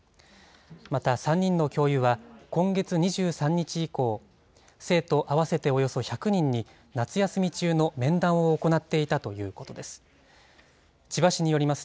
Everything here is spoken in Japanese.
また、３人の教諭は今月２３日以降、生徒合わせておよそ１００人に夏休み中の面談を行っていたということです。